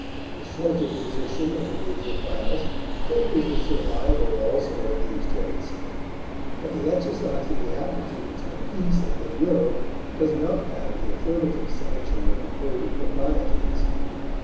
The sheltered position of the leisure class favors the survival also of these traits; but the exercise of the aptitudes for peace and good will does not have the affirmative sanction of the code of proprieties.